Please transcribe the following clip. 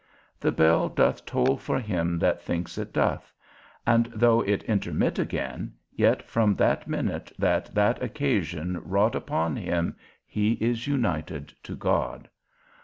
The bell doth toll for him that thinks it doth; and though it intermit again, yet from that minute that that occasion wrought upon him, he is united to God.